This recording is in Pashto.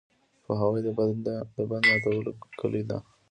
پوهاوی د بند ماتولو کلي ده.